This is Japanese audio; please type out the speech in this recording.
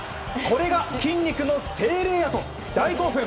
これが筋肉の精霊や！と大興奮。